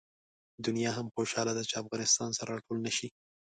دنیا هم خوشحاله ده چې افغانستان سره راټول نه شي.